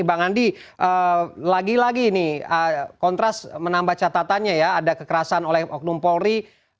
bang andi lagi lagi ini kontras menambah catatannya ya ada kekerasan oleh oknum polri